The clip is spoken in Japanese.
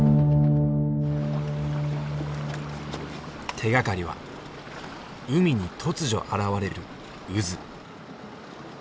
手がかりは海に突如現れる渦。